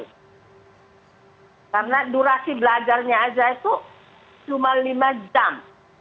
karena durasi belajarnya aja itu cuma lima jam